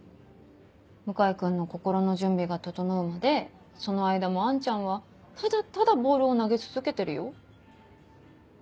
向井君の心の準備が整うまでその間もアンちゃんはただただボールを投げ続けてるよ。